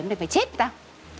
để mày chết với tao